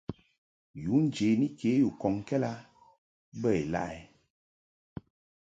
Yu njeni ke yi u kɔŋkɛd a bə ilaʼɛ ?